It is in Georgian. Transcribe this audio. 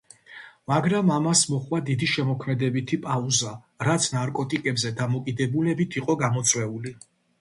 მაგრამ ამას მოჰყვა დიდი შემოქმედებითი პაუზა, რაც ნარკოტიკებზე დამოკიდებულებით იყო გამოწვეული.